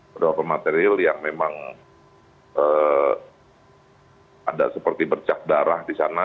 beberapa material yang memang ada seperti bercak darah di sana